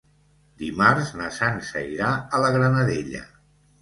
Dimarts na Sança irà a la Granadella.